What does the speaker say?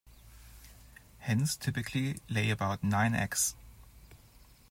Hens typically lay about nine eggs.